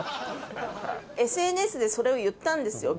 ＳＮＳでそれを言ったんですよ